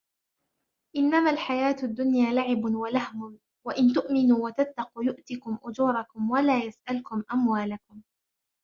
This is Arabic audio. إنما الحياة الدنيا لعب ولهو وإن تؤمنوا وتتقوا يؤتكم أجوركم ولا يسألكم أموالكم